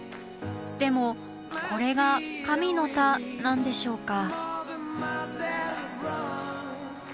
でもこれが「神の田」なんでしょうか？